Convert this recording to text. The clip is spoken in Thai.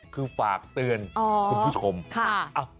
คือฝากเตือนคุณผู้ชมค่ะ